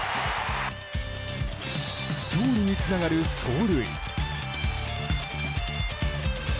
勝利につながる走塁。